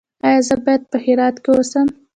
ایا زه باید په هرات کې اوسم؟